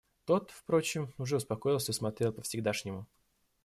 Тот, впрочем, уже успокоился и смотрел по-всегдашнему.